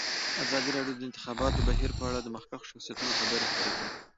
ازادي راډیو د د انتخاباتو بهیر په اړه د مخکښو شخصیتونو خبرې خپرې کړي.